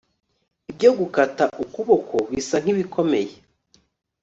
Ibyo gukata ukuboko bisa nkibikomeye